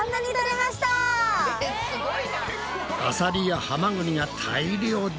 アサリやハマグリが大漁だ！